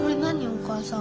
お母さん。